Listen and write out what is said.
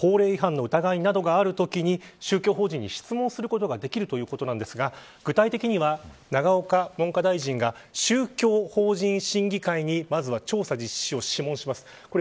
法令違反などの疑いがあるときに宗教法人に質問することができるということなんですが具体的には永岡文科大臣が宗教法人審議会にまずは調査実施を諮問します。